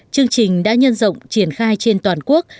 chương trình đã nhân rộng triển khai trên toàn quốc